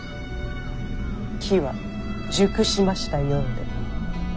機は熟しましたようで。